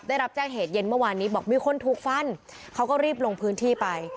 ได้รับแจ้งเหตุเย็นเมื่อวานนี้บอกมีคนถูกฟันเขาก็รีบลงพื้นที่ไป